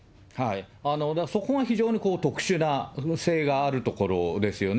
だからそこが非常にこう、特殊性があるところですよね。